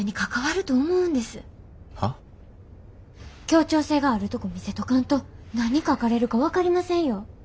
協調性があるとこ見せとかんと何書かれるか分かりませんよ。